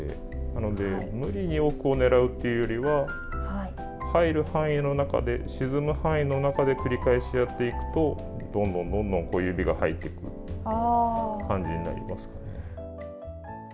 なので無理に奥を狙うというよりは入る範囲の中で、沈む範囲の中で繰り返しやっていくとどんどんどんどん指が入っていく感じになります。